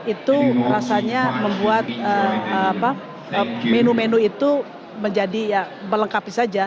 itu rasanya membuat menu menu itu menjadi ya melengkapi saja